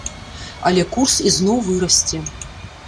Але курс ізноў вырасце.